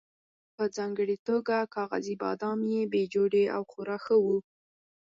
په ځانګړې توګه کاغذي بادام یې بې جوړې او خورا ښه وو.